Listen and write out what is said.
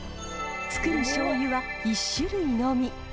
つくるしょうゆは１種類のみ。